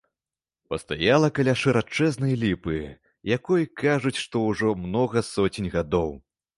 Пастаяла каля шырачэзнай ліпы, якой, кажуць, што ўжо многа соцень гадоў.